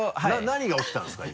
何が起きたんですか？